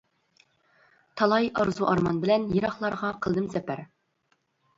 تالاي ئارزۇ-ئارمان بىلەن، يىراقلارغا قىلدىم سەپەر.